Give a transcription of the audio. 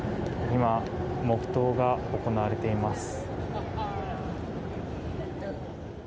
今、黙祷が行われています。